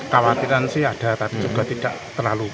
khawatiran sih ada tapi juga tidak terlalu